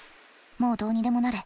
もうどうにでもなれ。